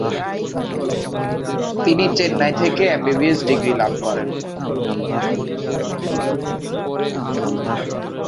তিনি চেন্নাই থেকে MBBS degree লাভ করেন।